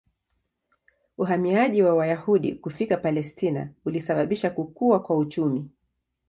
Uhamiaji wa Wayahudi kufika Palestina ulisababisha kukua kwa uchumi.